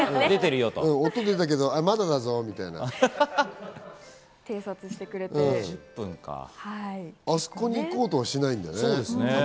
音出たけど、まだだぞみたいな。あそこに行こうとはしないんだね。